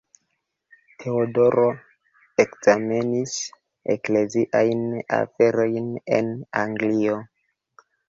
Teodoro ekzamenis ekleziajn aferojn en Anglio.